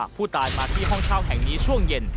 ผู้ตายมาที่ห้องเช่าแห่งนี้ช่วงเย็น